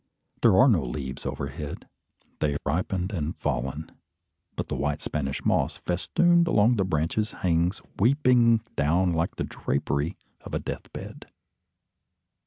There are no leaves overhead. They have ripened and fallen; but the white Spanish moss, festooned along the branches, hangs weeping down like the drapery of a deathbed.